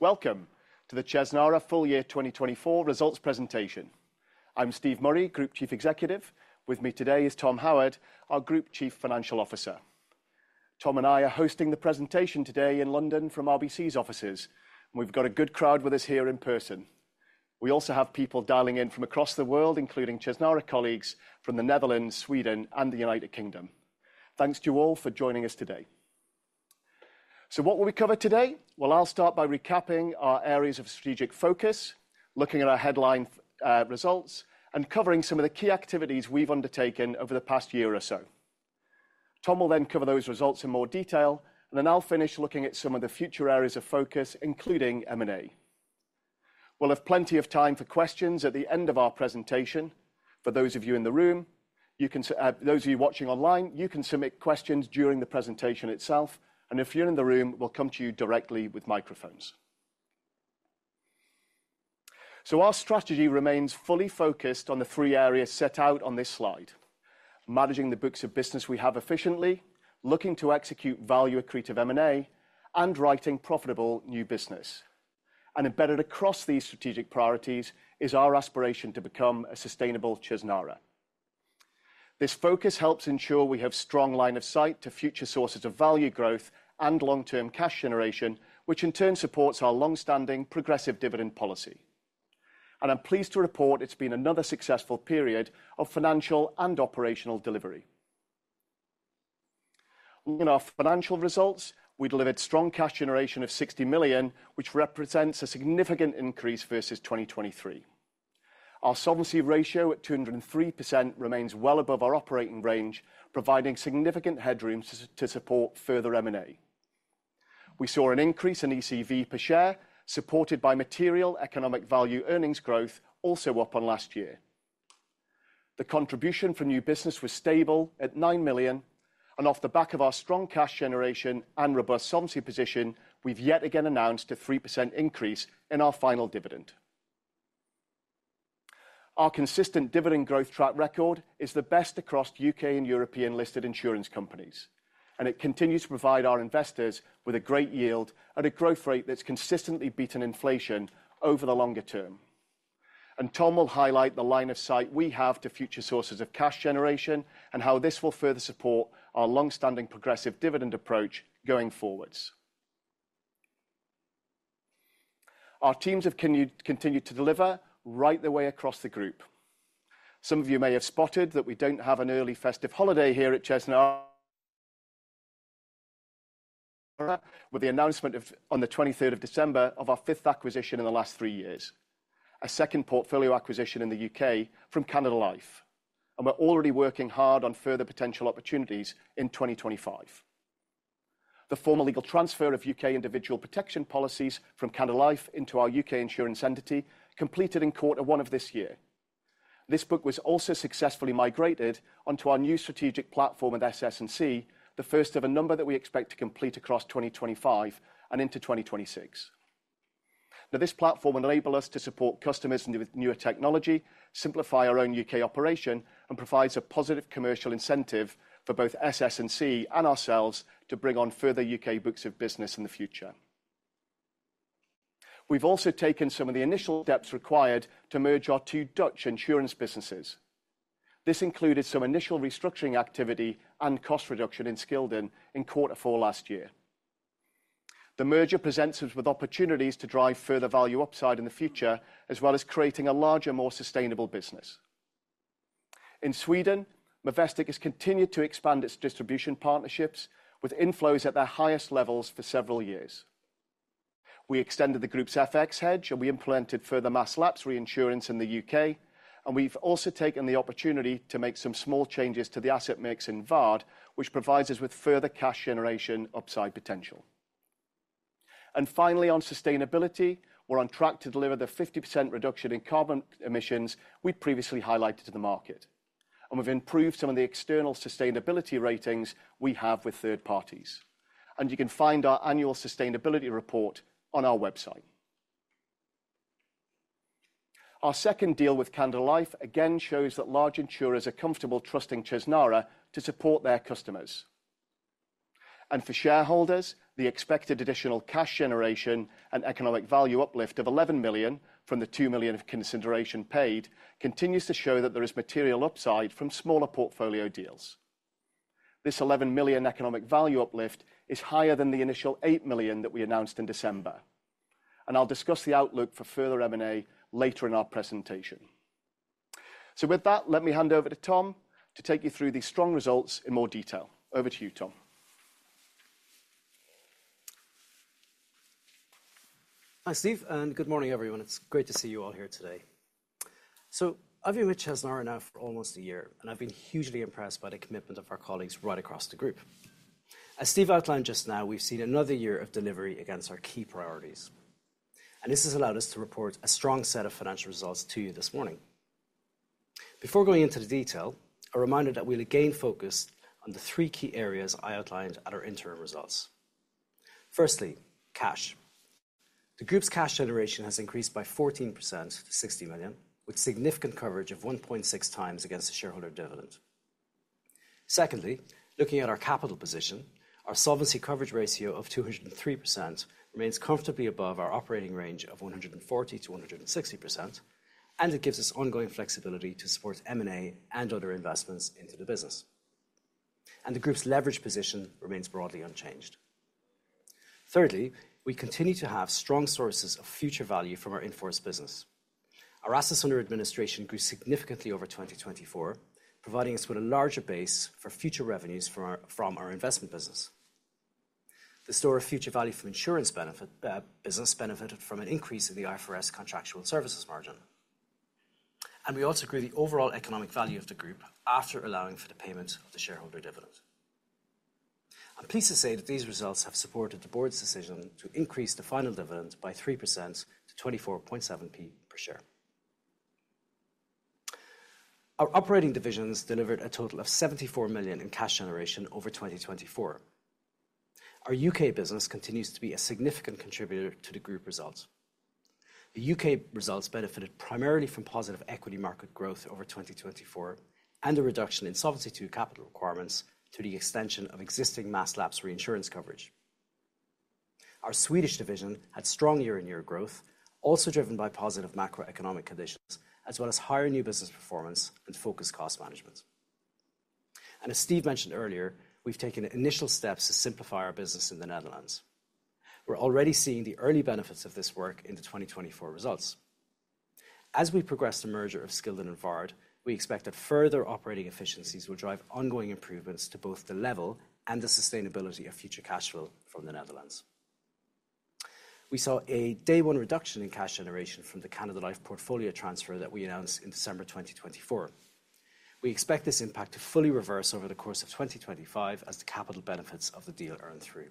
Welcome to the Chesnara Full Year 2024 Results Presentation. I'm Steve Murray, Group Chief Executive. With me today is Tom Howard, our Group Chief Financial Officer. Tom and I are hosting the presentation today in London from RBC's offices, and we've got a good crowd with us here in person. We also have people dialing in from across the world, including Chesnara colleagues from the Netherlands, Sweden, and the United Kingdom. Thanks to you all for joining us today. What will we cover today? I'll start by recapping our areas of strategic focus, looking at our headline results, and covering some of the key activities we've undertaken over the past year or so. Tom will then cover those results in more detail, and I'll finish looking at some of the future areas of focus, including M&A. will have plenty of time for questions at the end of our presentation. For those of you in the room, you can—those of you watching online, you can submit questions during the presentation itself. If you are in the room, we will come to you directly with microphones. Our strategy remains fully focused on the three areas set out on this slide: managing the books of business we have efficiently, looking to execute value-accretive M&A, and writing profitable new business. Embedded across these strategic priorities is our aspiration to become a sustainable Chesnara. This focus helps ensure we have a strong line of sight to future sources of value growth and long-term cash generation, which in turn supports our long-standing progressive dividend policy. I am pleased to report it has been another successful period of financial and operational delivery. Looking at our financial results, we delivered strong cash generation of 60 million, which represents a significant increase versus 2023. Our Solvency ratio at 203% remains well above our operating range, providing significant headroom to support further M&A. We saw an increase in ECV per share, supported by material economic value earnings growth, also up on last year. The contribution for new business was stable at 9 million, and off the back of our strong cash generation and robust Solvency position, we've yet again announced a 3% increase in our final dividend. Our consistent dividend growth track record is the best across U.K. and European listed insurance companies, and it continues to provide our investors with a great yield at a growth rate that's consistently beaten inflation over the longer term. Tom will highlight the line of sight we have to future sources of cash generation and how this will further support our long-standing progressive dividend approach going forwards. Our teams have continued to deliver right the way across the group. Some of you may have spotted that we do not have an early festive holiday here at Chesnara with the announcement on the 23rd of December of our fifth acquisition in the last three years, a second portfolio acquisition in the U.K. from Canada Life. We are already working hard on further potential opportunities in 2025. The formal legal transfer of U.K. individual protection policies from Canada Life into our U.K. insurance entity completed in quarter one of this year. This book was also successfully migrated onto our new strategic platform with SS&C, the first of a number that we expect to complete across 2025 and into 2026. Now, this platform enables us to support customers with newer technology, simplify our own U.K. operation, and provides a positive commercial incentive for both SS&C and ourselves to bring on further U.K. books of business in the future. We've also taken some of the initial steps required to merge our two Dutch insurance businesses. This included some initial restructuring activity and cost reduction in Scildon in quarter four last year. The merger presents us with opportunities to drive further value upside in the future, as well as creating a larger, more sustainable business. In Sweden, Movestic has continued to expand its distribution partnerships with inflows at their highest levels for several years. We extended the group's FX hedge, and we implemented further Mass Lapse reinsurance in the U.K. We have also taken the opportunity to make some small changes to the asset mix in Waard, which provides us with further cash generation upside potential. Finally, on sustainability, we are on track to deliver the 50% reduction in carbon emissions we previously highlighted to the market. We have improved some of the external sustainability ratings we have with third parties. You can find our annual sustainability report on our website. Our second deal with Canada Life again shows that large insurers are comfortable trusting Chesnara to support their customers. For shareholders, the expected additional cash generation and economic value uplift of 11 million from the 2 million of consideration paid continues to show that there is material upside from smaller portfolio deals. This 11 million economic value uplift is higher than the initial 8 million that we announced in December. I will discuss the outlook for further M&A later in our presentation. With that, let me hand over to Tom to take you through these strong results in more detail. Over to you, Tom. Hi, Steve, and good morning, everyone. It's great to see you all here today. I've been with Chesnara now for almost a year, and I've been hugely impressed by the commitment of our colleagues right across the group. As Steve outlined just now, we've seen another year of delivery against our key priorities. This has allowed us to report a strong set of financial results to you this morning. Before going into the detail, a reminder that we'll again focus on the three key areas I outlined at our interim results. Firstly, cash. The group's cash generation has increased by 14% to 60 million, with significant coverage of 1.6 times against the shareholder dividend. Secondly, looking at our capital position, our Solvency coverage ratio of 203% remains comfortably above our operating range of 140%-160%, and it gives us ongoing flexibility to support M&A and other investments into the business. The group's leverage position remains broadly unchanged. Thirdly, we continue to have strong sources of future value from our In-force Business. Our assets under administration grew significantly over 2024, providing us with a larger base for future revenues from our investment business. The store of future value from insurance business benefited from an increase in the IFRS Contractual Service Margin. We also grew the overall economic value of the group after allowing for the payment of the shareholder dividend. I'm pleased to say that these results have supported the board's decision to increase the final dividend by 3% to 24.7 per share. Our operating divisions delivered a total of 74 million in cash generation over 2024. Our U.K. business continues to be a significant contributor to the group results. The U.K. results benefited primarily from positive equity market growth over 2024 and a reduction in Solvency Capital Requirements through the extension of existing Mass Lapse reinsurance coverage. Our Swedish division had strong year-on-year growth, also driven by positive macroeconomic conditions, as well as higher new business performance and focused cost management. As Steve mentioned earlier, we have taken initial steps to simplify our business in the Netherlands. We are already seeing the early benefits of this work in the 2024 results. As we progress the merger of Scildon and The Waard Group, we expect that further operating efficiencies will drive ongoing improvements to both the level and the sustainability of future cash flow from the Netherlands. We saw a day-one reduction in cash generation from the Canada Life portfolio transfer that we announced in December 2024. We expect this impact to fully reverse over the course of 2025 as the capital benefits of the deal earn through.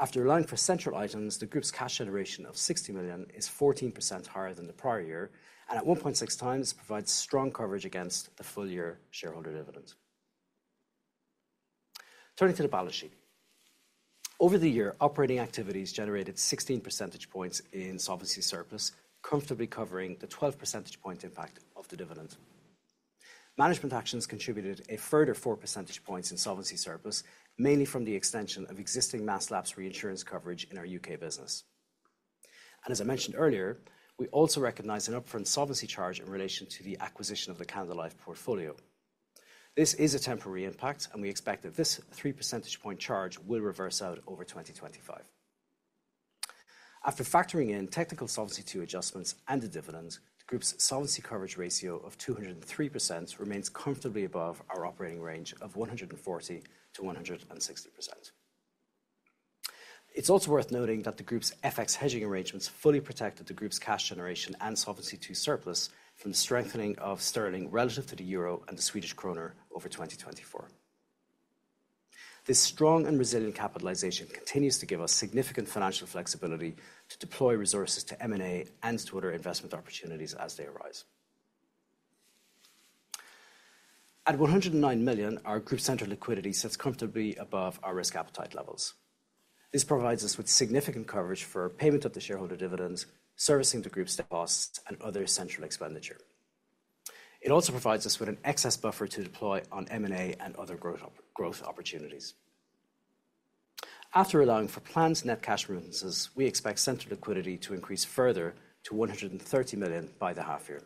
After allowing for central items, the group's cash generation of 60 million is 14% higher than the prior year, and at 1.6 times provides strong coverage against the full-year shareholder dividend. Turning to the balance sheet. Over the year, operating activities generated 16 percentage points in Solvency surplus, comfortably covering the 12 percentage point impact of the dividend. Management actions contributed a further 4 percentage points in Solvency surplus, mainly from the extension of existing Mass Lapse reinsurance coverage in our U.K. business. As I mentioned earlier, we also recognize an upfront Solvency charge in relation to the acquisition of the Canada Life portfolio. This is a temporary impact, and we expect that this 3 percentage point charge will reverse out over 2025. After factoring in technical Solvency II adjustments and the dividend, the group's Solvency coverage ratio of 203% remains comfortably above our operating range of 140%-160%. It's also worth noting that the group's FX hedging arrangements fully protected the group's cash generation and Solvency II surplus from the strengthening of sterling relative to the euro and the Swedish krona over 2024. This strong and resilient capitalization continues to give us significant financial flexibility to deploy resources to M&A and to other investment opportunities as they arise. At 109 million, our group's central liquidity sits comfortably above our risk appetite levels. This provides us with significant coverage for payment of the shareholder dividends, servicing the group's debt costs, and other central expenditure. It also provides us with an excess buffer to deploy on M&A and other growth opportunities. After allowing for planned net cash remittances, we expect central liquidity to increase further to 130 million by the half year.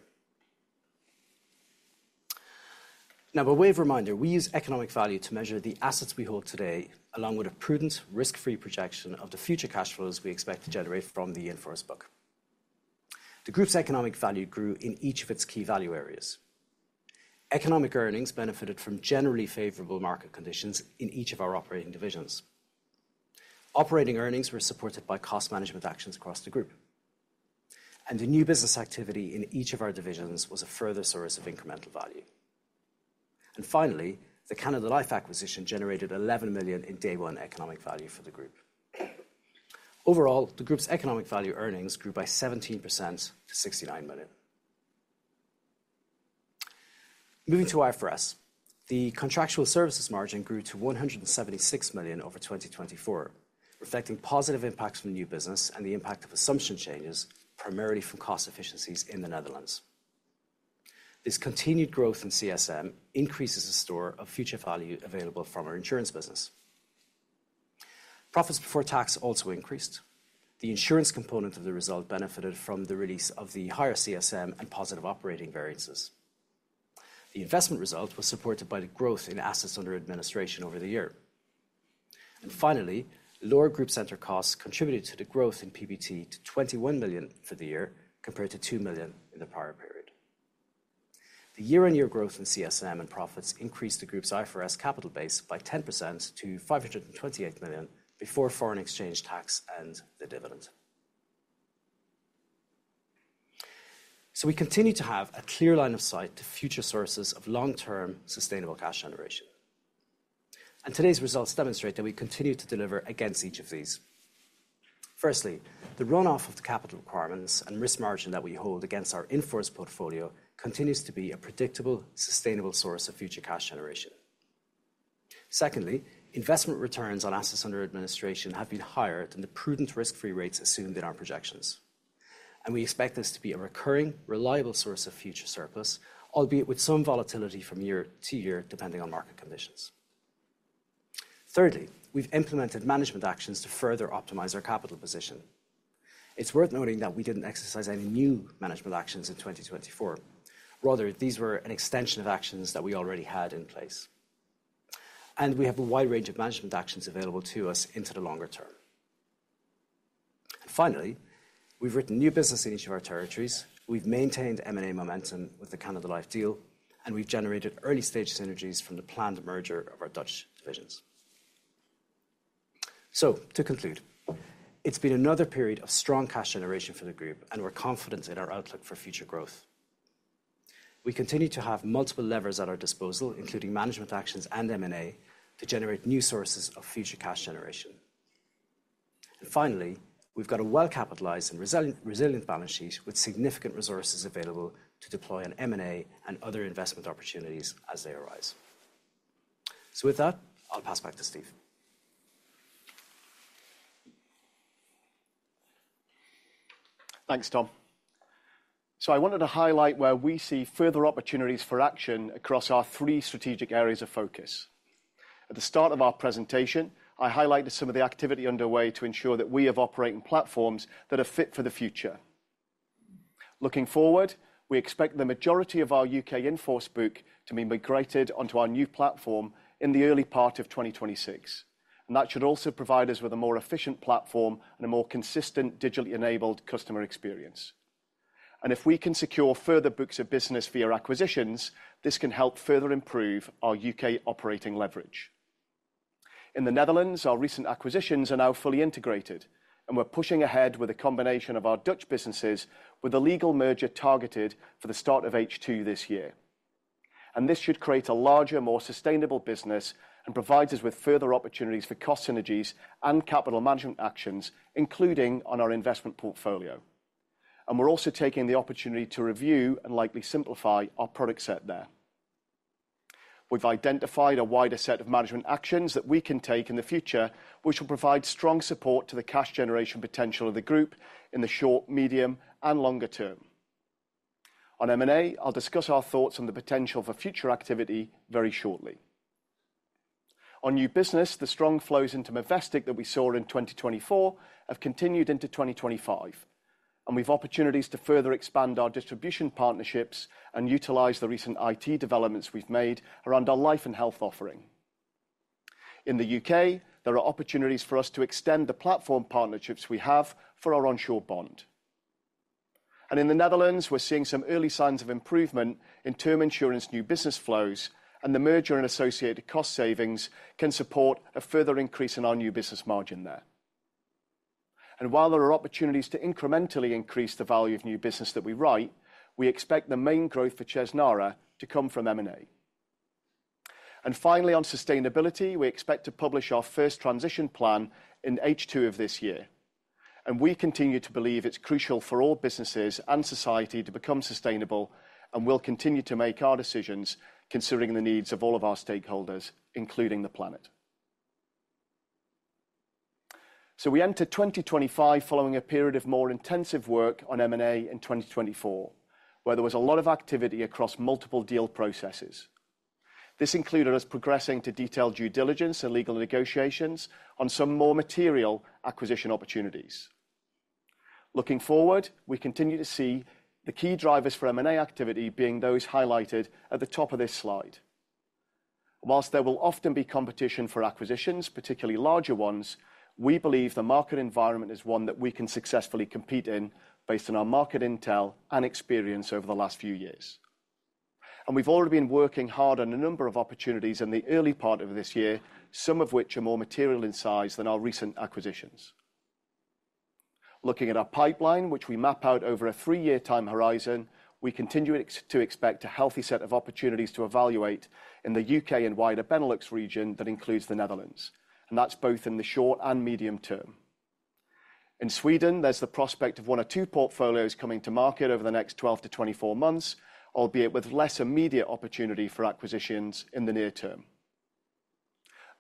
Now, a wave reminder, we use economic value to measure the assets we hold today, along with a prudent, risk-free projection of the future cash flows we expect to generate from the in-force book. The group's economic value grew in each of its key value areas. Economic earnings benefited from generally favorable market conditions in each of our operating divisions. Operating earnings were supported by cost management actions across the group. The new business activity in each of our divisions was a further source of incremental value. Finally, the Canada Life acquisition generated 11 million in day-one economic value for the group. Overall, the group's economic value earnings grew by 17% to 69 million. Moving to IFRS, the Contractual Service Margin grew to 176 million over 2024, reflecting positive impacts from the new business and the impact of assumption changes, primarily from cost efficiencies in the Netherlands. This continued growth in CSM increases the store of future value available from our insurance business. Profits before tax also increased. The insurance component of the result benefited from the release of the higher CSM and positive operating variances. The investment result was supported by the growth in assets under administration over the year. Finally, lower group center costs contributed to the growth in PBT to 21 million for the year, compared to 2 million in the prior period. The year-on-year growth in CSM and profits increased the group's IFRS capital base by 10% to 528 million before foreign exchange, tax, and the dividend. We continue to have a clear line of sight to future sources of long-term sustainable cash generation. Today's results demonstrate that we continue to deliver against each of these. Firstly, the runoff of the capital requirements and risk margin that we hold against our in-force portfolio continues to be a predictable, sustainable source of future cash generation. Secondly, investment returns on assets under administration have been higher than the prudent risk-free rates assumed in our projections. We expect this to be a recurring, reliable source of future surplus, albeit with some volatility from year to year, depending on market conditions. Thirdly, we've implemented management actions to further optimize our capital position. It's worth noting that we did not exercise any new management actions in 2024. Rather, these were an extension of actions that we already had in place. We have a wide range of management actions available to us into the longer term. Finally, we've written new business in each of our territories. We've maintained M&A momentum with the Canada Life deal, and we've generated early-stage synergies from the planned merger of our Dutch divisions. To conclude, it's been another period of strong cash generation for the group, and we're confident in our outlook for future growth. We continue to have multiple levers at our disposal, including management actions and M&A, to generate new sources of future cash generation. Finally, we've got a well-capitalized and resilient balance sheet with significant resources available to deploy on M&A and other investment opportunities as they arise. With that, I'll pass back to Steve. Thanks, Tom. I wanted to highlight where we see further opportunities for action across our three strategic areas of focus. At the start of our presentation, I highlighted some of the activity underway to ensure that we have operating platforms that are fit for the future. Looking forward, we expect the majority of our U.K. in-force book to be migrated onto our new platform in the early part of 2026. That should also provide us with a more efficient platform and a more consistent digitally enabled customer experience. If we can secure further books of business via acquisitions, this can help further improve our U.K. operating leverage. In the Netherlands, our recent acquisitions are now fully integrated, and we're pushing ahead with a combination of our Dutch businesses with a legal merger targeted for the start of H2 this year. This should create a larger, more sustainable business and provide us with further opportunities for cost synergies and capital management actions, including on our investment portfolio. We are also taking the opportunity to review and likely simplify our product set there. We have identified a wider set of management actions that we can take in the future, which will provide strong support to the cash generation potential of the group in the short, medium, and longer term. On M&A, I will discuss our thoughts on the potential for future activity very shortly. On new business, the strong flows into Movestic that we saw in 2024 have continued into 2025. We have opportunities to further expand our distribution partnerships and utilize the recent IT developments we have made around our life and health offering. In the U.K., there are opportunities for us to extend the platform partnerships we have for our Onshore Bond. In the Netherlands, we're seeing some early signs of improvement in term insurance new business flows, and the merger and associated cost savings can support a further increase in our new business margin there. While there are opportunities to incrementally increase the value of new business that we write, we expect the main growth for Chesnara to come from M&A. Finally, on sustainability, we expect to publish our first transition plan in H2 of this year. We continue to believe it's crucial for all businesses and society to become sustainable and will continue to make our decisions considering the needs of all of our stakeholders, including the planet. We enter 2025 following a period of more intensive work on M&A in 2024, where there was a lot of activity across multiple deal processes. This included us progressing to detailed due diligence and legal negotiations on some more material acquisition opportunities. Looking forward, we continue to see the key drivers for M&A activity being those highlighted at the top of this slide. Whilst there will often be competition for acquisitions, particularly larger ones, we believe the market environment is one that we can successfully compete in based on our market intel and experience over the last few years. We've already been working hard on a number of opportunities in the early part of this year, some of which are more material in size than our recent acquisitions. Looking at our pipeline, which we map out over a three-year time horizon, we continue to expect a healthy set of opportunities to evaluate in the U.K. and wider Benelux region that includes the Netherlands. That is both in the short and medium term. In Sweden, there is the prospect of one or two portfolios coming to market over the next 12-24 months, albeit with less immediate opportunity for acquisitions in the near term.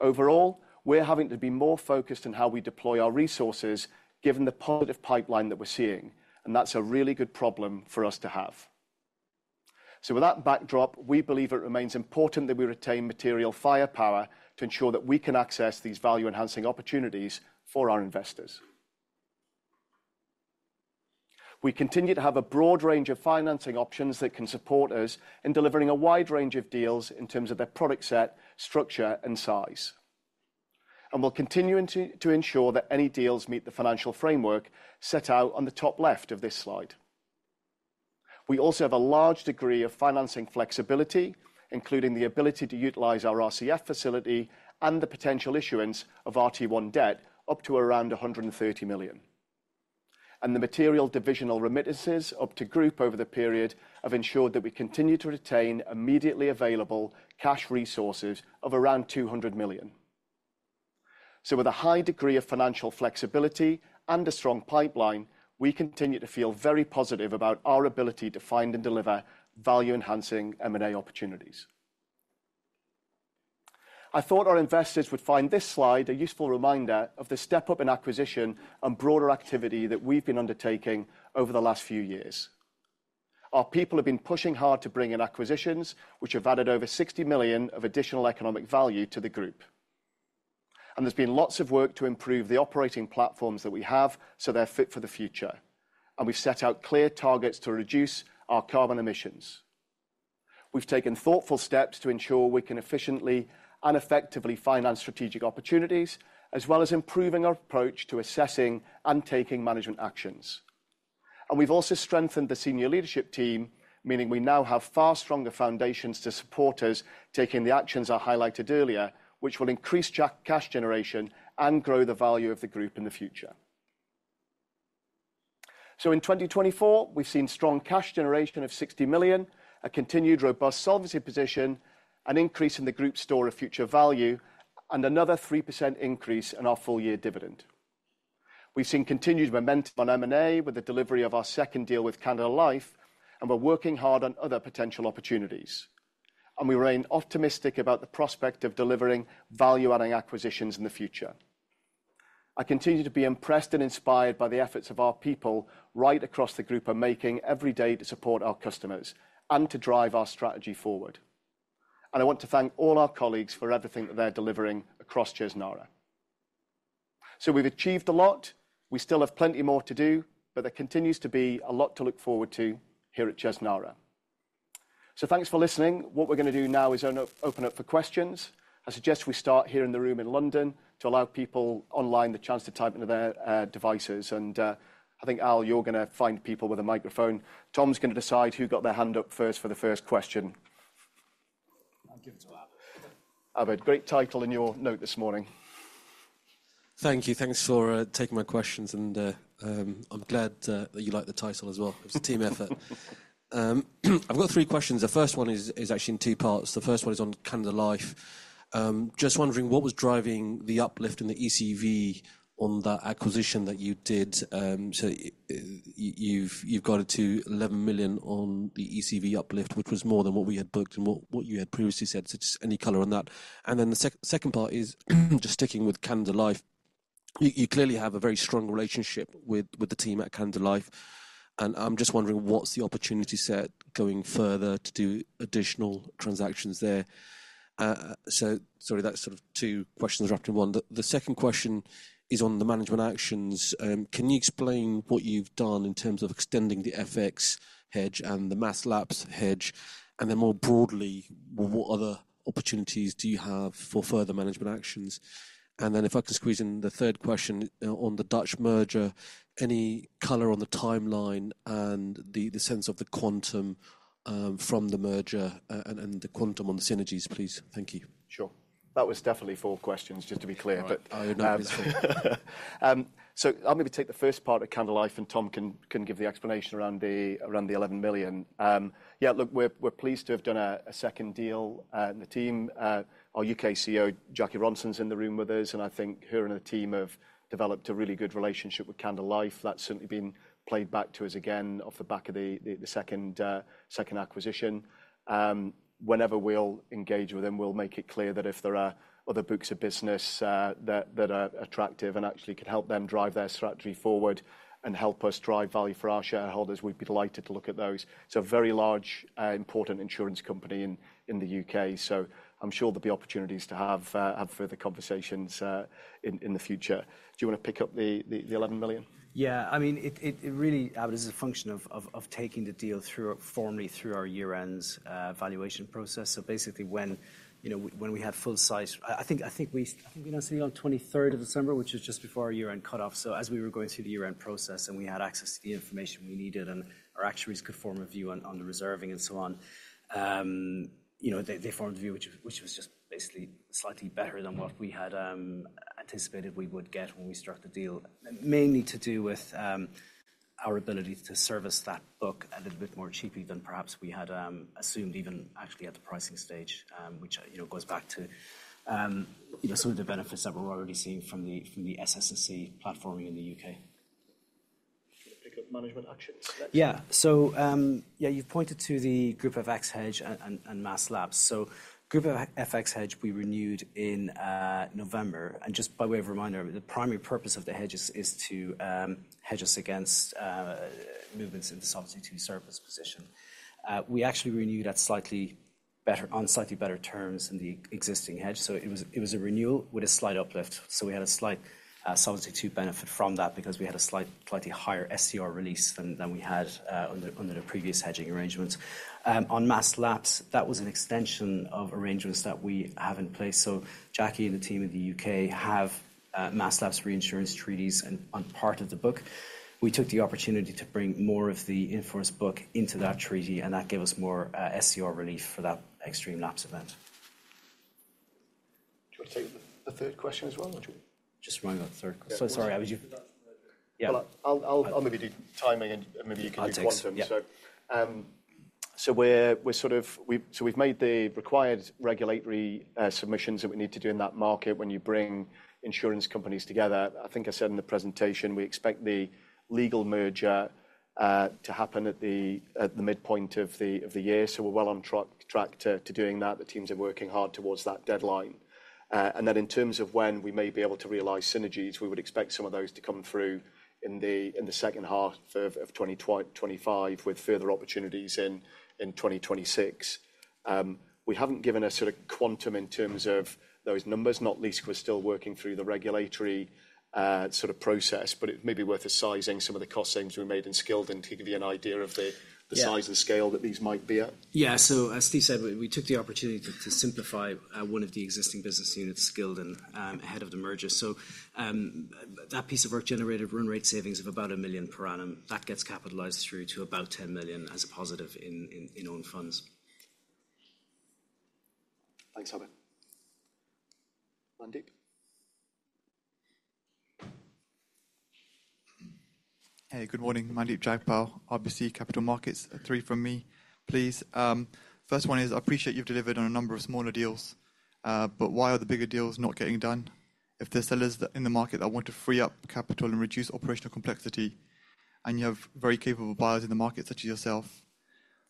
Overall, we are having to be more focused on how we deploy our resources given the positive pipeline that we are seeing, and that is a really good problem for us to have. With that backdrop, we believe it remains important that we retain material firepower to ensure that we can access these value-enhancing opportunities for our investors. We continue to have a broad range of financing options that can support us in delivering a wide range of deals in terms of their product set, structure, and size. We will continue to ensure that any deals meet the financial framework set out on the top left of this slide. We also have a large degree of financing flexibility, including the ability to utilize our RCF facility and the potential issuance of RT1 debt up to around 130 million. The material divisional remittances up to group over the period have ensured that we continue to retain immediately available cash resources of around 200 million. With a high degree of financial flexibility and a strong pipeline, we continue to feel very positive about our ability to find and deliver value-enhancing M&A opportunities. I thought our investors would find this slide a useful reminder of the step-up in acquisition and broader activity that we've been undertaking over the last few years. Our people have been pushing hard to bring in acquisitions, which have added over 60 million of additional economic value to the group. There has been lots of work to improve the operating platforms that we have so they're fit for the future. We have set out clear targets to reduce our carbon emissions. We have taken thoughtful steps to ensure we can efficiently and effectively finance strategic opportunities, as well as improving our approach to assessing and taking management actions. We have also strengthened the senior leadership team, meaning we now have far stronger foundations to support us taking the actions I highlighted earlier, which will increase cash generation and grow the value of the group in the future. In 2024, we've seen strong cash generation of 60 million, a continued robust Solvency position, an increase in the group store of future value, and another 3% increase in our full-year dividend. We've seen continued momentum on M&A with the delivery of our second deal with Canada Life, and we're working hard on other potential opportunities. We remain optimistic about the prospect of delivering value-adding acquisitions in the future. I continue to be impressed and inspired by the efforts our people right across the group are making every day to support our customers and to drive our strategy forward. I want to thank all our colleagues for everything that they're delivering across Chesnara. We've achieved a lot. We still have plenty more to do, but there continues to be a lot to look forward to here at Chesnara. Thanks for listening. What we're going to do now is open up for questions. I suggest we start here in the room in London to allow people online the chance to type into their devices. I think, Al, you're going to find people with a microphone. Tom's going to decide who got their hand up first for the first question. I'll give it to Abid. Abid, great title in your note this morning. Thank you. Thanks for taking my questions. I'm glad that you like the title as well. It was a team effort. I've got three questions. The first one is actually in two parts. The first one is on Canada Life. Just wondering what was driving the uplift in the ECV on that acquisition that you did. You have it to 11 million on the ECV uplift, which was more than what we had booked and what you had previously said. Just any color on that. The second part is just sticking with Canada Life. You clearly have a very strong relationship with the team at Canada Life. I'm just wondering what's the opportunity set going further to do additional transactions there. Sorry, that's sort of two questions wrapped in one. The second question is on the management actions. Can you explain what you've done in terms of extending the FX hedge and the Mass Lapse hedge? More broadly, what other opportunities do you have for further management actions? If I can squeeze in the third question on the Dutch merger, any color on the timeline and the sense of the quantum from the merger and the quantum on the synergies, please? Thank you. Sure. That was definitely four questions, just to be clear. I don't know. I'll maybe take the first part of Canada Life and Tom can give the explanation around the 11 million. Yeah, look, we're pleased to have done a second deal. The team, our U.K. CEO, Jackie Ronson, is in the room with us. I think her and the team have developed a really good relationship with Canada Life. That's certainly been played back to us again off the back of the second acquisition. Whenever we engage with them, we make it clear that if there are other books of business that are attractive and actually could help them drive their strategy forward and help us drive value for our shareholders, we'd be delighted to look at those. It's a very large, important insurance company in the U.K. I'm sure there will be opportunities to have further conversations in the future. Do you want to pick up the 11 million? Yeah. I mean, it really is a function of taking the deal formally through our year-end valuation process. Basically, when we had full size, I think we announced the deal on December 23, which was just before our year-end cutoff. As we were going through the year-end process and we had access to the information we needed and our actuaries could form a view on the reserving and so on, they formed a view, which was just basically slightly better than what we had anticipated we would get when we struck the deal. Mainly to do with our ability to service that book a little bit more cheaply than perhaps we had assumed even actually at the pricing stage, which goes back to some of the benefits that we're already seeing from the SS&C platforming in the U.K. Pick up management actions. Yeah. So yeah, you've pointed to the Group FX Hedge and Mass Lapse. Group FX Hedge, we renewed in November. Just by way of reminder, the primary purpose of the hedge is to hedge us against movements in the Solvency II service position. We actually renewed on slightly better terms than the existing hedge. It was a renewal with a slight uplift. We had a slight Solvency II benefit from that because we had a slightly higher SCR release than we had under the previous hedging arrangements. On Mass Lapse, that was an extension of arrangements that we have in place. Jackie and the team in the U.K. have Mass Lapse reinsurance treaties on part of the book. We took the opportunity to bring more of the in-force book into that treaty, and that gave us more SCR relief for that extreme lapse event. Do you want to take the third question as well? Just worrying about the third question. So sorry. I'll maybe do timing and maybe you can do one of them. I'll take it. We have made the required regulatory submissions that we need to do in that market when you bring insurance companies together. I think I said in the presentation, we expect the legal merger to happen at the midpoint of the year. We are well on track to doing that. The teams are working hard towards that deadline. In terms of when we may be able to realize synergies, we would expect some of those to come through in the second half of 2025 with further opportunities in 2026. We have not given a sort of quantum in terms of those numbers, not least because we are still working through the regulatory sort of process, but it may be worth assessing some of the cost savings we made in Scildon to give you an idea of the size and scale that these might be at. Yeah. As Steve said, we took the opportunity to simplify one of the existing business units, Scildon, ahead of the merger. That piece of work generated run rate savings of about 1 million per annum. That gets capitalized through to about 10 million as a positive in own funds. Thanks, Howard. Mandeep. Hey, good morning. Mandeep Jagpal, RBC Capital Markets. Three from me, please. First one is I appreciate you've delivered on a number of smaller deals, but why are the bigger deals not getting done? If there's sellers in the market that want to free up capital and reduce operational complexity, and you have very capable buyers in the market such as yourself,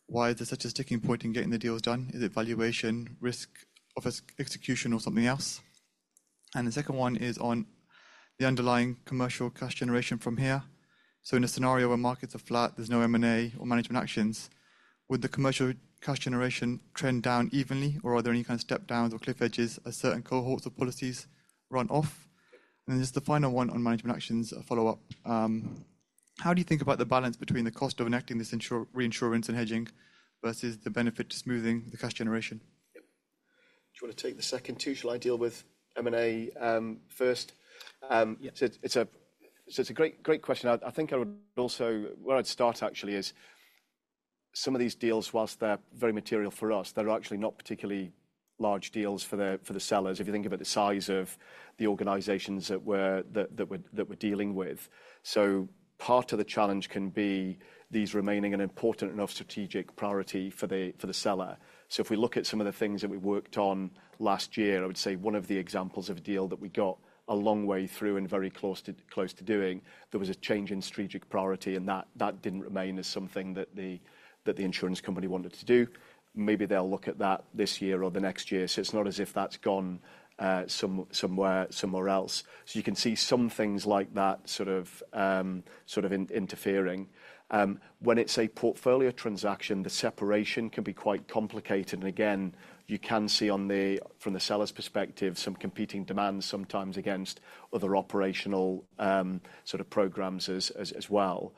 why is there such a sticking point in getting the deals done? Is it valuation, risk of execution, or something else? The second one is on the underlying commercial cash generation from here. In a scenario where markets are flat, there's no M&A or management actions, would the commercial cash generation trend down evenly, or are there any kind of step-downs or cliff edges as certain cohorts of policies run off? Just the final one on management actions, a follow-up. How do you think about the balance between the cost of enacting this reinsurance and hedging versus the benefit to smoothing the cash generation? Do you want to take the second two? Shall I deal with M&A first? Yeah. It's a great question. I think where I'd start actually is some of these deals, whilst they're very material for us, they're actually not particularly large deals for the sellers if you think about the size of the organizations that we're dealing with. Part of the challenge can be these remaining an important enough strategic priority for the seller. If we look at some of the things that we worked on last year, I would say one of the examples of a deal that we got a long way through and very close to doing, there was a change in strategic priority, and that didn't remain as something that the insurance company wanted to do. Maybe they'll look at that this year or the next year. It's not as if that's gone somewhere else. You can see some things like that sort of interfering. When it's a portfolio transaction, the separation can be quite complicated. Again, you can see from the seller's perspective some competing demands sometimes against other operational sort of programs as well.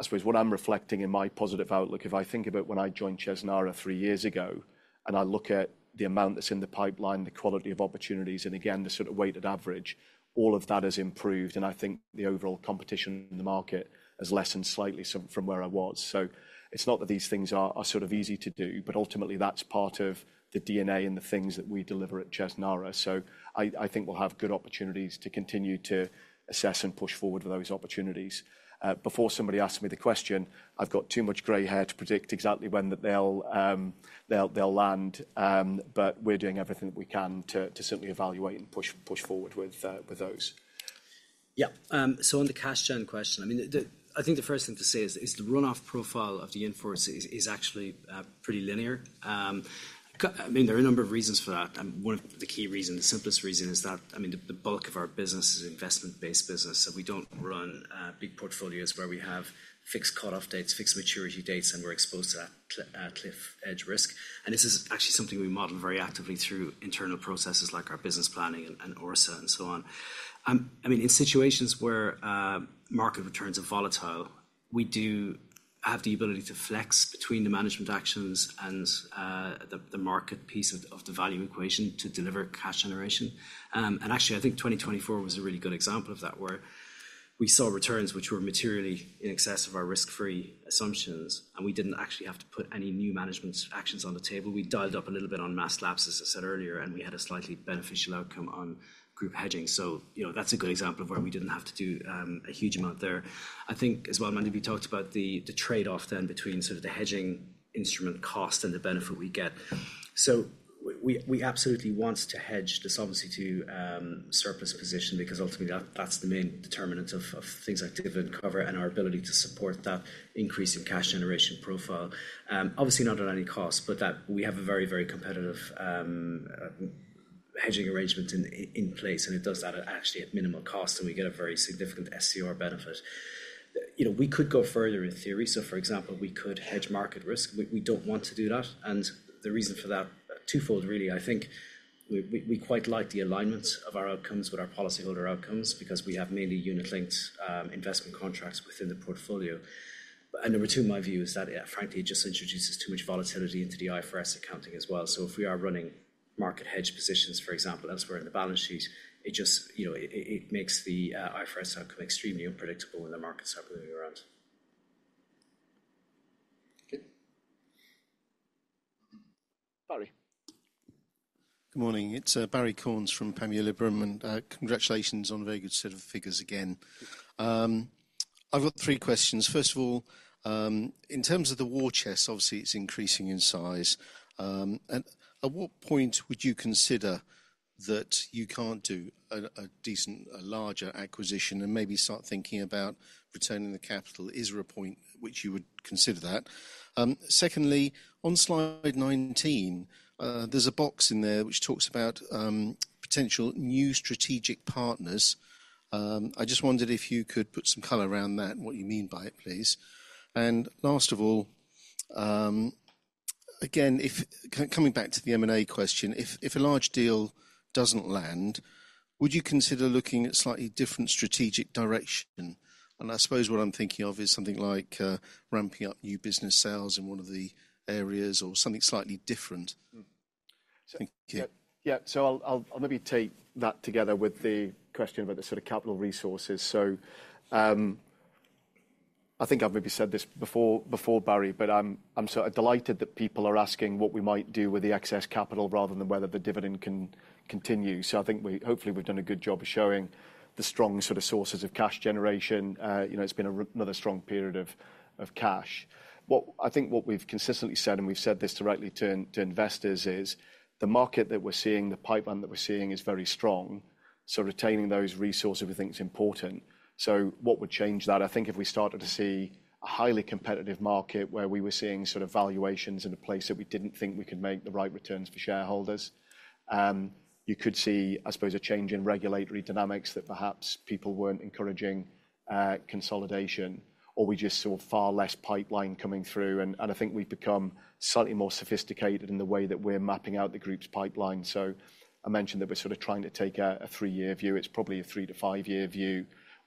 I suppose what I'm reflecting in my positive outlook, if I think about when I joined Chesnara three years ago and I look at the amount that's in the pipeline, the quality of opportunities, and again, the sort of weighted average, all of that has improved. I think the overall competition in the market has lessened slightly from where I was. It's not that these things are sort of easy to do, but ultimately that's part of the DNA and the things that we deliver at Chesnara. I think we'll have good opportunities to continue to assess and push forward with those opportunities. Before somebody asks me the question, I've got too much gray hair to predict exactly when they'll land, but we're doing everything that we can to simply evaluate and push forward with those. Yeah. On the cash gen question, I think the first thing to say is the run-off profile of the in-force is actually pretty linear. There are a number of reasons for that. One of the key reasons, the simplest reason is that the bulk of our business is an investment-based business. We do not run big portfolios where we have fixed cutoff dates, fixed maturity dates, and we are exposed to that cliff edge risk. This is actually something we model very actively through internal processes like our business planning and ORSA and so on. In situations where market returns are volatile, we do have the ability to flex between the management actions and the market piece of the value equation to deliver cash generation. Actually, I think 2024 was a really good example of that where we saw returns which were materially in excess of our risk-free assumptions, and we did not actually have to put any new management actions on the table. We dialed up a little bit on Mass Lapse, as I said earlier, and we had a slightly beneficial outcome on group hedging. That is a good example of where we did not have to do a huge amount there. I think as well, Mandeep, you talked about the trade-off then between sort of the hedging instrument cost and the benefit we get. We absolutely want to hedge the Solvency II service position because ultimately that is the main determinant of things like dividend cover and our ability to support that increase in cash generation profile. Obviously, not at any cost, but that we have a very, very competitive hedging arrangement in place, and it does that actually at minimal cost, and we get a very significant SCR benefit. We could go further in theory. For example, we could hedge market risk. We do not want to do that. The reason for that is twofold, really. I think we quite like the alignment of our outcomes with our policyholder outcomes because we have mainly unit-linked investment contracts within the portfolio. Number two, my view is that, yeah, frankly, it just introduces too much volatility into the IFRS accounting as well. If we are running market hedge positions, for example, elsewhere in the balance sheet, it makes the IFRS outcome extremely unpredictable when the markets are moving around. Barrie. Good morning. It's Barrie Cornes from Panmure Liberum, and congratulations on a very good set of figures again. I've got three questions. First of all, in terms of the war chest, obviously it's increasing in size. At what point would you consider that you can't do a decent, a larger acquisition and maybe start thinking about returning the capital? Is there a point at which you would consider that? Secondly, on slide 19, there's a box in there which talks about potential new strategic partners. I just wondered if you could put some color around that and what you mean by it, please. Last of all, again, coming back to the M&A question, if a large deal doesn't land, would you consider looking at slightly different strategic direction? I suppose what I'm thinking of is something like ramping up new business sales in one of the areas or something slightly different. Yeah. I'll maybe take that together with the question about the sort of capital resources. I think I've maybe said this before, Barry, but I'm sort of delighted that people are asking what we might do with the excess capital rather than whether the dividend can continue. I think hopefully we've done a good job of showing the strong sort of sources of cash generation. It's been another strong period of cash. I think what we've consistently said, and we've said this directly to investors, is the market that we're seeing, the pipeline that we're seeing is very strong. Retaining those resources, we think is important. What would change that? I think if we started to see a highly competitive market where we were seeing sort of valuations in a place that we didn't think we could make the right returns for shareholders, you could see, I suppose, a change in regulatory dynamics that perhaps people weren't encouraging consolidation, or we just saw far less pipeline coming through. I think we've become slightly more sophisticated in the way that we're mapping out the group's pipeline. I mentioned that we're sort of trying to take a three-year view. It's probably a three to five-year view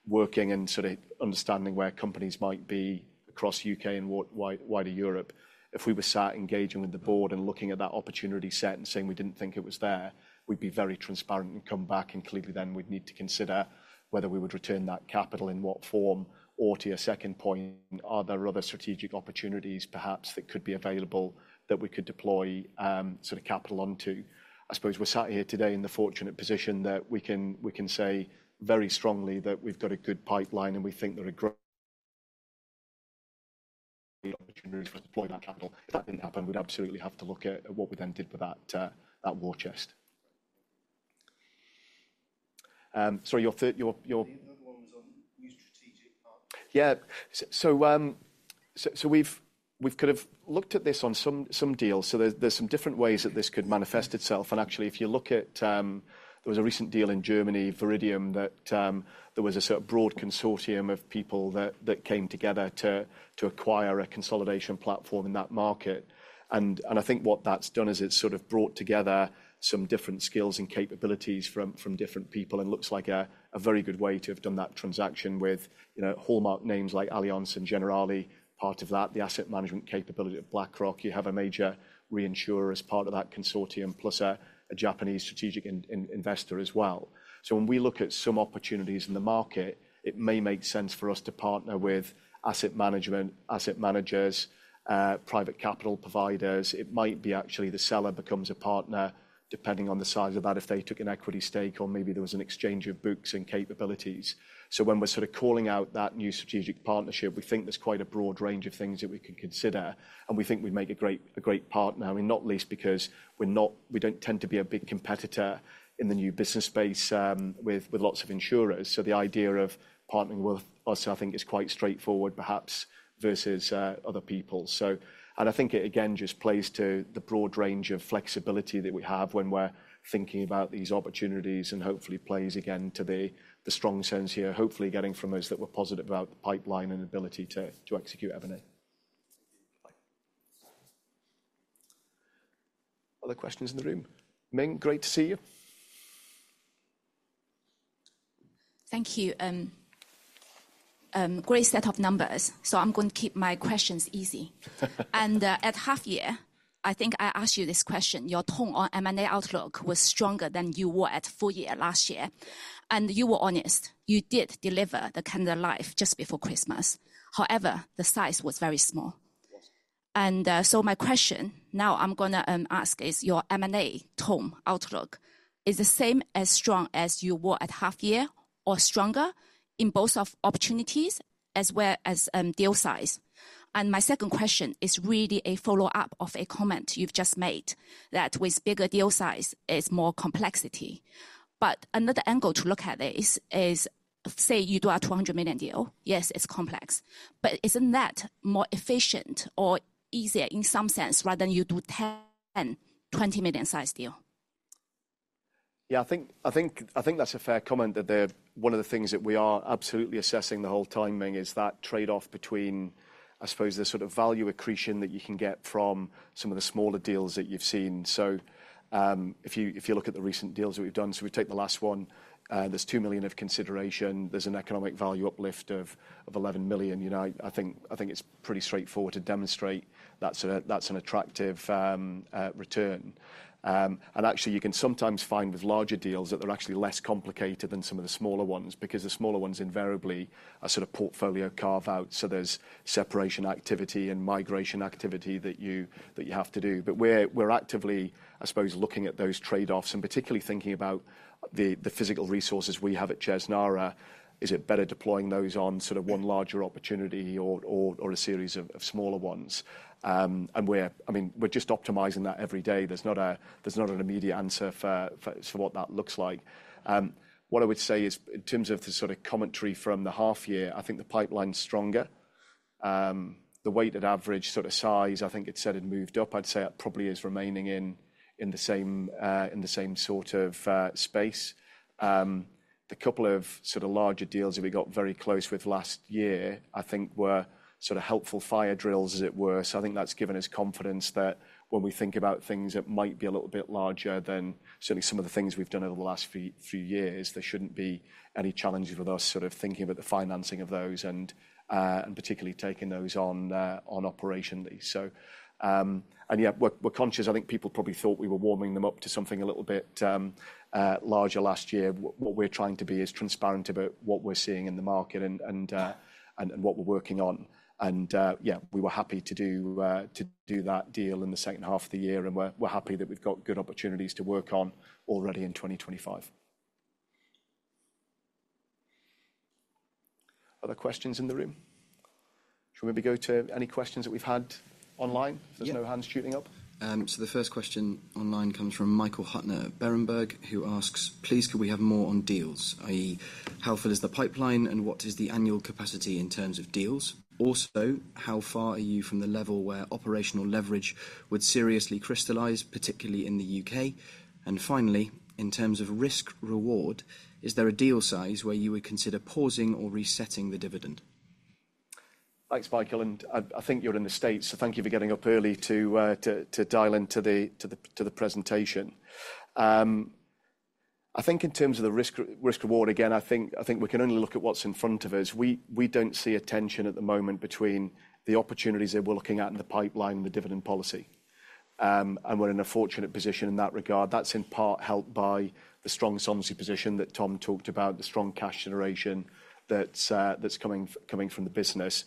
working and sort of understanding where companies might be across the U.K. and wider Europe. If we were sat engaging with the board and looking at that opportunity set and saying we didn't think it was there, we'd be very transparent and come back, and clearly then we'd need to consider whether we would return that capital in what form. To your second point, are there other strategic opportunities perhaps that could be available that we could deploy sort of capital onto? I suppose we're sat here today in the fortunate position that we can say very strongly that we've got a good pipeline and we think there are great opportunities for deploying that capital. If that didn't happen, we'd absolutely have to look at what we then did with that war chest. Sorry, your. The other one was on new strategic partners. Yeah. We've kind of looked at this on some deals. There are some different ways that this could manifest itself. Actually, if you look at a recent deal in Germany, Viridium, there was a broad consortium of people that came together to acquire a consolidation platform in that market. I think what that's done is it's brought together some different skills and capabilities from different people and looks like a very good way to have done that transaction with hallmark names like Allianz and Generali, part of that, the asset management capability of BlackRock. You have a major reinsurer as part of that consortium, plus a Japanese strategic investor as well. When we look at some opportunities in the market, it may make sense for us to partner with asset managers, private capital providers. It might be actually the seller becomes a partner depending on the size of that, if they took an equity stake or maybe there was an exchange of books and capabilities. When we're sort of calling out that new strategic partnership, we think there's quite a broad range of things that we could consider, and we think we'd make a great partner, not least because we don't tend to be a big competitor in the new business space with lots of insurers. The idea of partnering with us, I think, is quite straightforward perhaps versus other people. I think it again just plays to the broad range of flexibility that we have when we're thinking about these opportunities and hopefully plays again to the strong sense here, hopefully getting from us that we're positive about the pipeline and ability to execute M&A. Other questions in the room? Ming, great to see you. Thank you. Great set of numbers. I'm going to keep my questions easy. At half year, I think I asked you this question. Your tone on M&A outlook was stronger than you were at full year last year. You were honest. You did deliver the Canada Life just before Christmas. However, the size was very small. My question now I'm going to ask is your M&A tone outlook the same as strong as you were at half year or stronger in both of opportunities as well as deal size? My second question is really a follow-up of a comment you've just made that with bigger deal size, it's more complexity. Another angle to look at it is, say you do a 200 million deal, yes, it's complex, but isn't that more efficient or easier in some sense rather than you do ten 20 million size deals? Yeah, I think that's a fair comment that one of the things that we are absolutely assessing the whole timing is that trade-off between, I suppose, the sort of value accretion that you can get from some of the smaller deals that you've seen. If you look at the recent deals that we've done, if we take the last one, there's 2 million of consideration. There's an economic value uplift of 11 million. I think it's pretty straightforward to demonstrate that's an attractive return. Actually, you can sometimes find with larger deals that they're actually less complicated than some of the smaller ones because the smaller ones invariably are sort of portfolio carve-outs. There's separation activity and migration activity that you have to do. We are actively, I suppose, looking at those trade-offs and particularly thinking about the physical resources we have at Chesnara. Is it better deploying those on sort of one larger opportunity or a series of smaller ones? I mean, we're just optimizing that every day. There's not an immediate answer for what that looks like. What I would say is in terms of the sort of commentary from the half year, I think the pipeline's stronger. The weighted average sort of size, I think it said it moved up. I'd say it probably is remaining in the same sort of space. The couple of sort of larger deals that we got very close with last year, I think were sort of helpful fire drills, as it were. I think that's given us confidence that when we think about things that might be a little bit larger than certainly some of the things we've done over the last few years, there shouldn't be any challenges with us sort of thinking about the financing of those and particularly taking those on operationally. Yeah, we're conscious, I think people probably thought we were warming them up to something a little bit larger last year. What we're trying to be is transparent about what we're seeing in the market and what we're working on. Yeah, we were happy to do that deal in the second half of the year, and we're happy that we've got good opportunities to work on already in 2025. Other questions in the room? Shall we maybe go to any questions that we've had online? There's no hands shooting up. The first question online comes from Michael Huttner Berenberg, who asks, "Please, could we have more on deals, i.e., how full is the pipeline and what is the annual capacity in terms of deals? Also, how far are you from the level where operational leverage would seriously crystallize, particularly in the U.K.? Finally, in terms of risk-reward, is there a deal size where you would consider pausing or resetting the dividend? Thanks, Michael. I think you're in the States, so thank you for getting up early to dial into the presentation. I think in terms of the risk-reward, again, I think we can only look at what's in front of us. We don't see a tension at the moment between the opportunities that we're looking at in the pipeline and the dividend policy. We're in a fortunate position in that regard. That's in part helped by the strong Solvency position that Tom talked about, the strong cash generation that's coming from the business.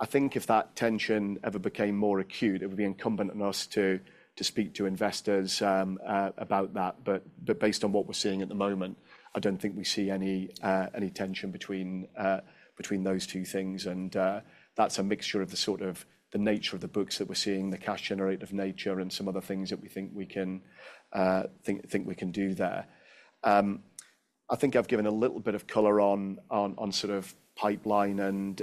I think if that tension ever became more acute, it would be incumbent on us to speak to investors about that. Based on what we're seeing at the moment, I don't think we see any tension between those two things. That is a mixture of the sort of the nature of the books that we are seeing, the cash generator of nature, and some other things that we think we can do there. I think I have given a little bit of color on sort of pipeline and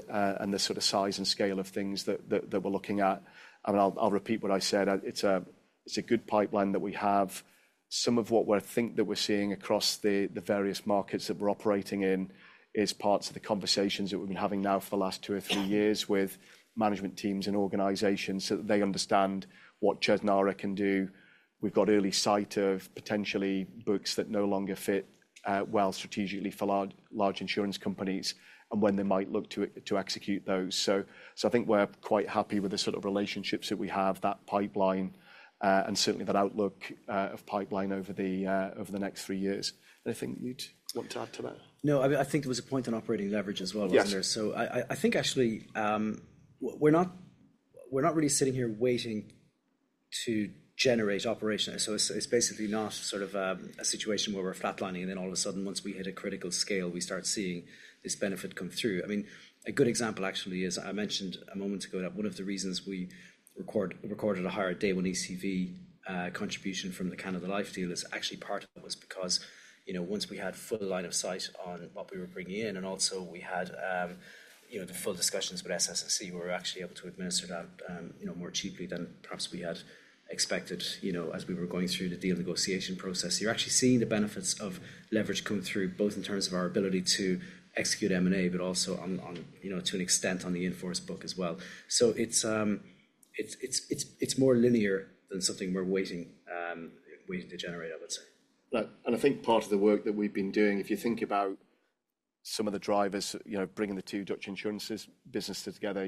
the sort of size and scale of things that we are looking at. I mean, I will repeat what I said. It is a good pipeline that we have. Some of what we think that we are seeing across the various markets that we are operating in is parts of the conversations that we have been having now for the last two or three years with management teams and organizations so that they understand what Chesnara can do. We have got early sight of potentially books that no longer fit well strategically for large insurance companies and when they might look to execute those. I think we're quite happy with the sort of relationships that we have, that pipeline, and certainly that outlook of pipeline over the next three years. Anything you'd want to add to that? No, I think there was a point on operating leverage as well on there. I think actually we're not really sitting here waiting to generate operationally. It's basically not sort of a situation where we're flatlining and then all of a sudden, once we hit a critical scale, we start seeing this benefit come through. I mean, a good example actually is I mentioned a moment ago that one of the reasons we recorded a higher day-one ECV contribution from the Canada Life deal is actually part of it was because once we had full line of sight on what we were bringing in and also we had the full discussions with SS&C, we were actually able to administer that more cheaply than perhaps we had expected as we were going through the deal negotiation process. You're actually seeing the benefits of leverage come through both in terms of our ability to execute M&A, but also to an extent on the in-force book as well. It is more linear than something we're waiting to generate, I would say. I think part of the work that we have been doing, if you think about some of the drivers bringing the two Dutch insurance businesses together,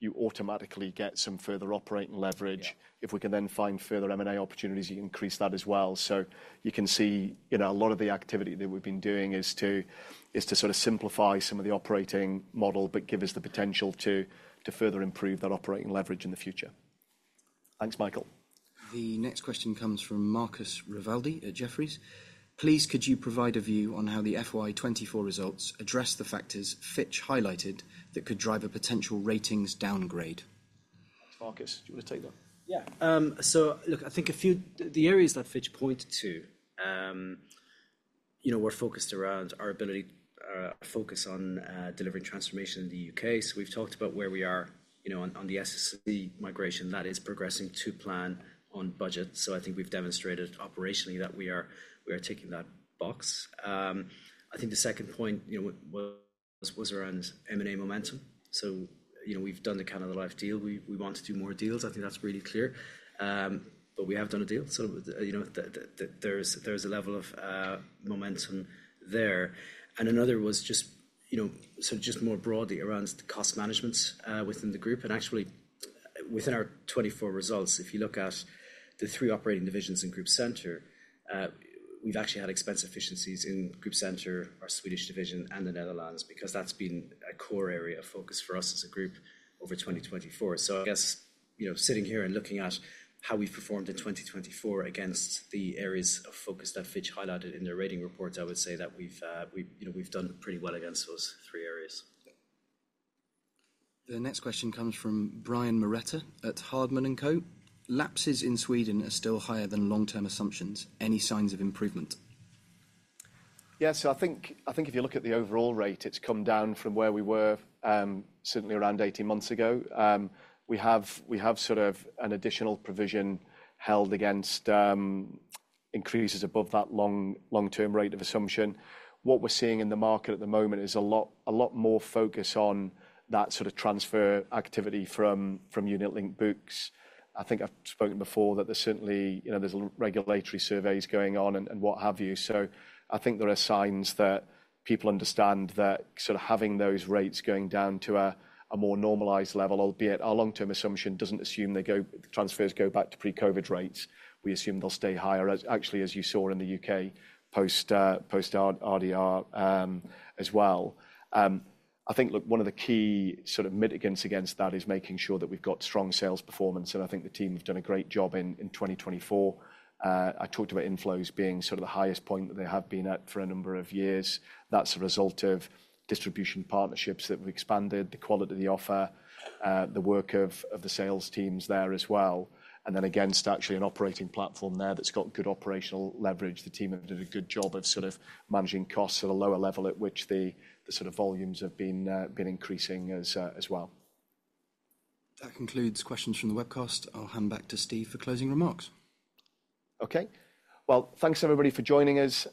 you automatically get some further operating leverage. If we can then find further M&A opportunities, you can increase that as well. You can see a lot of the activity that we have been doing is to sort of simplify some of the operating model, but give us the potential to further improve that operating leverage in the future. Thanks, Michael. The next question comes from Marcus Rivaldi at Jefferies. Please, could you provide a view on how the FY24 results address the factors Fitch highlighted that could drive a potential ratings downgrade? Thanks, Marcus. Do you want to take that? Yeah. So look, I think the areas that Fitch pointed to were focused around our ability to focus on delivering transformation in the U.K. We have talked about where we are on the SS&C migration. That is progressing to plan, on budget. I think we have demonstrated operationally that we are ticking that box. I think the second point was around M&A momentum. We have done the Canada Life deal. We want to do more deals. I think that is really clear. We have done a deal, so there is a level of momentum there. Another was just more broadly around cost management within the group. Actually, within our 2024 results, if you look at the three operating divisions in Group Center, we've actually had expense efficiencies in Group Center, our Swedish division, and the Netherlands because that's been a core area of focus for us as a group over 2024. I guess sitting here and looking at how we've performed in 2024 against the areas of focus that Fitch highlighted in their rating reports, I would say that we've done pretty well against those three areas. The next question comes from Brian Moretta at Hardman & Co. Lapses in Sweden are still higher than long-term assumptions. Any signs of improvement? Yeah. I think if you look at the overall rate, it's come down from where we were certainly around 18 months ago. We have sort of an additional provision held against increases above that long-term rate of assumption. What we're seeing in the market at the moment is a lot more focus on that sort of transfer activity from unit-linked books. I think I've spoken before that there's certainly regulatory surveys going on and what have you. I think there are signs that people understand that sort of having those rates going down to a more normalized level, albeit our long-term assumption doesn't assume the transfers go back to pre-COVID rates. We assume they'll stay higher, actually, as you saw in the U.K. post RDR as well. I think, look, one of the key sort of mitigants against that is making sure that we've got strong sales performance. I think the team have done a great job in 2024. I talked about inflows being sort of the highest point that they have been at for a number of years. That's a result of distribution partnerships that we've expanded, the quality of the offer, the work of the sales teams there as well. Actually, against an operating platform there that's got good operational leverage, the team have done a good job of sort of managing costs at a lower level at which the sort of volumes have been increasing as well. That concludes questions from the webcast. I'll hand back to Steve for closing remarks. Okay. Thanks everybody for joining us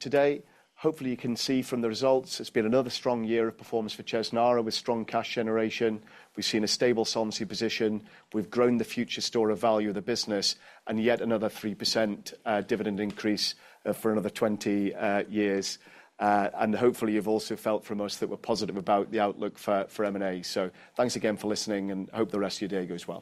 today. Hopefully, you can see from the results, it's been another strong year of performance for Chesnara with strong cash generation. We've seen a stable Solvency position. We've grown the future store of value of the business and yet another 3% dividend increase for another 20 years. Hopefully, you've also felt from us that we're positive about the outlook for M&A. Thanks again for listening and hope the rest of your day goes well.